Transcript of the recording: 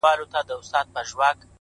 نه يې وكړل د آرامي شپي خوبونه!.